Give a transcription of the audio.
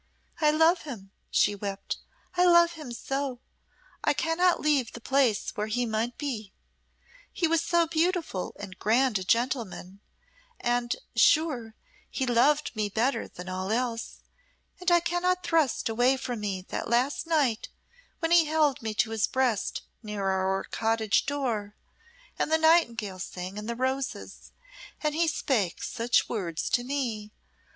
"I love him," she wept "I love him so I cannot leave the place where he might be. He was so beautiful and grand a gentleman, and, sure, he loved me better than all else and I cannot thrust away from me that last night when he held me to his breast near our cottage door, and the nightingale sang in the roses, and he spake such words to me.